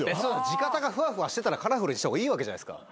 地がふわふわしてたらカラフルにした方がいいわけじゃないですか。